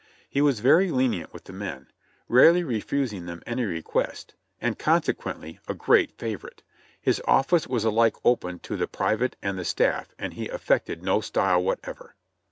He was very lenient with the men, rarely refusing them any request, and consequently a great favorite ; his office was alike open to the private and the staff and he afifected no style whatever.